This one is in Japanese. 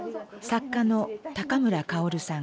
作家の村薫さん。